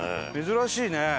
珍しいね。